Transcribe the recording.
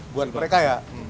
buat mereka ya